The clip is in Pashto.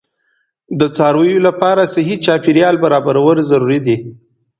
د څارویو لپاره صحي چاپیریال برابرول ضروري دي.